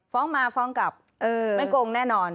ฟ้องมาฟ้องกลับไม่โกงแน่นอน